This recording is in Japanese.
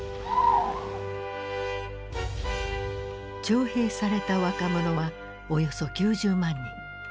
徴兵された若者はおよそ９０万人。